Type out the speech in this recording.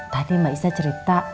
tadi mbak isah cerita